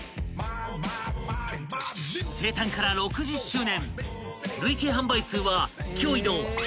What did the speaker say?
［生誕から６０周年］